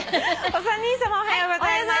「お三人さまおはようございます」